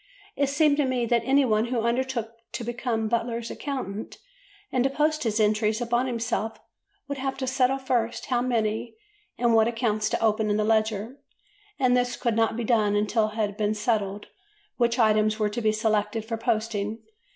It seemed to me that any one who undertook to become Butler's accountant and to post his entries upon himself would have to settle first how many and what accounts to open in the ledger, and this could not be done until it had been settled which items were to be selected for posting.